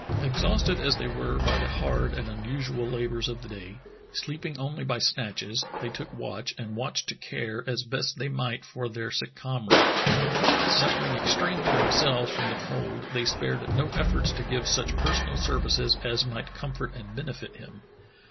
Exhausted as they were by the hard and unusual labors of the day, sleeping only by snatches, they took watch and watch to care as best they might for their sick comrade. Suffering extremely themselves from the cold, they spared no efforts to give such personal services as might comfort and benefit him.